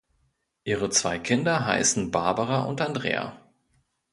Ihre zwei Kinder heißen Barbara und Andrea.